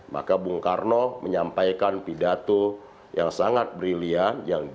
maka bung karno menyampaikan pidato yang sangat brilian